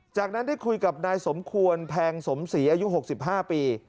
จากนั้นได้คุยกับนายสมควรแพงสมศรีอายุ๖๕ปี